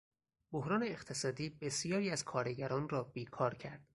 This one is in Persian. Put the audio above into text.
بحران اقتصادی بسیاری از کارگران را بیکار کرد.